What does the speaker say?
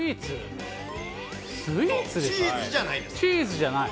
チーズじゃない。